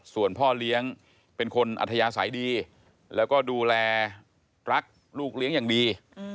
ส่วนพ่อเลี้ยงเป็นคนอัธยาศัยดีแล้วก็ดูแลรักลูกเลี้ยงอย่างดี